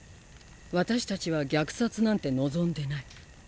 私たちは虐殺なんて望んでない。